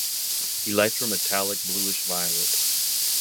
Elytra metallic bluish violet.